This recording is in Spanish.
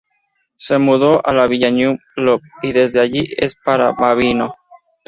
Se mudó a la villa Nyun-Lombe y desde allí a Paramaribo.